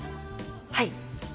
はい。